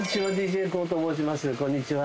こんにちは。